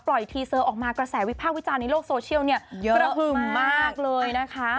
ทีเซอร์ออกมากระแสวิภาควิจารณ์ในโลกโซเชียลเนี่ยเยอะกระหึ่มมากเลยนะคะ